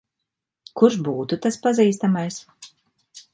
Kurš būtu tas pazīstamais?